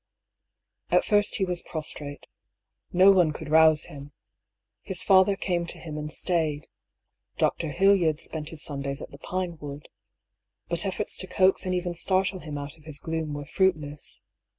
At first he was prostrate. No one could rouse him. His father came to him and stayed. Dr. Hildyard spent his Sundays at the Pinewood. But efforts to coax and even startle him out of his gloom were fruitless.